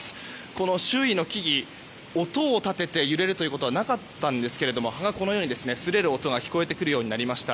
この周囲の木々音を立てて揺れるということはなかったんですが葉がこのように擦れる音が聞こえてくるようになりました。